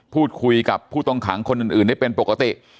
พูดคุยกับผู้ต้องขังคนอื่นได้เป็นปกติ